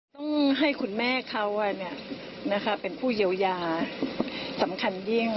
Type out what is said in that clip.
ต้องให้คุณแม่เขาเป็นผู้เยียวยาสำคัญยิ่ง